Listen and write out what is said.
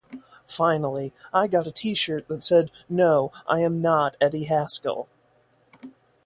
Finally, I got a T-shirt that said 'No, I am not Eddie Haskell.